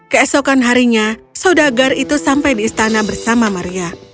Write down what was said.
keesokan harinya saudagar itu sampai di istana bersama maria